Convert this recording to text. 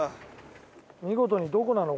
見事にどこなの？